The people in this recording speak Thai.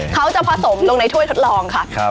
เขาจะผสมลงในถ้วยทดลองค่ะ